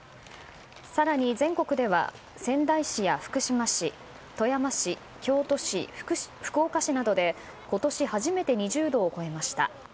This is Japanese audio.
更に、全国では仙台市や福島市富山市、京都市、福岡市などで今年初めて２０度を超えました。